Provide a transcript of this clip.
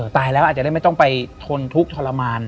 ตายแล้วอาจจะได้ไม่ต้องไปทนทุกข์ทรมาน